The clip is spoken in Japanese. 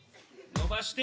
伸ばして。